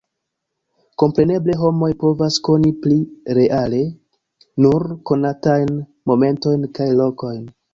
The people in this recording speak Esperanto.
Kompreneble homoj povas koni pli reale nur konatajn momentojn kaj lokojn.